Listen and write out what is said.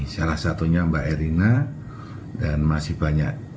salah satunya mbak erina dan masih banyak